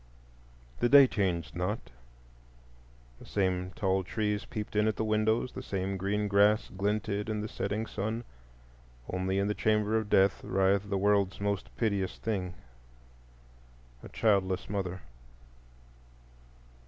The day changed not; the same tall trees peeped in at the windows, the same green grass glinted in the setting sun. Only in the chamber of death writhed the world's most piteous thing—a childless mother.